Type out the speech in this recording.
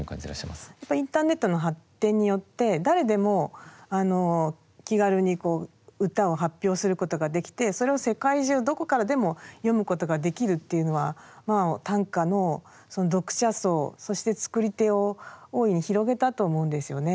やっぱりインターネットの発展によって誰でも気軽に歌を発表することができてそれを世界中どこからでも読むことができるっていうのは短歌の読者層そして作り手を大いに広げたと思うんですよね。